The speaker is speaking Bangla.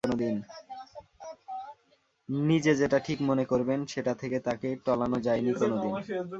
নিজে যেটা ঠিক মনে করবেন, সেটা থেকে তাঁকে টলানো যায়নি কোনো দিন।